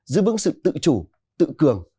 giữ vững sự tự chủ tự cường